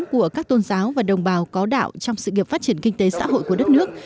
của các tôn giáo và đồng bào có đạo trong sự nghiệp phát triển kinh tế xã hội của đất nước